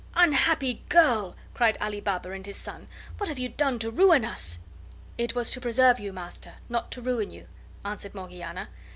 "Unhappy girl!" cried Ali Baba and his son, "what have you done to ruin us?" "It was to preserve you, master, not to ruin you," answered Morgiana.